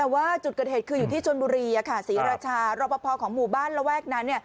แต่ว่าจุดเกิดเหตุคืออยู่ที่ชนบุรีศรีราชารอปภของหมู่บ้านระแวกนั้น